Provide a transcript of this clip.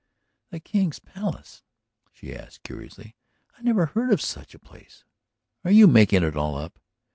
"The King's Palace?" she asked curiously. "I never heard of such a place. Are you making it all up?"